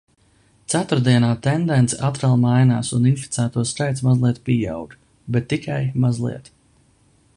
Ceturtdienā tendence atkal mainās un inficēto skaits mazliet pieaug. Bet tikai mazliet.